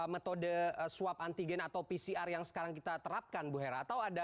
metode swab antigen atau pcr yang sekarang kita terapkan bu hera